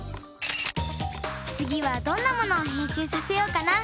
つぎはどんなものをへんしんさせようかな。